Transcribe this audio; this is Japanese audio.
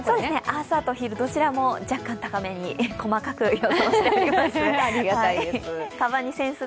朝と昼、どちらも若干高めに細かく予想しております。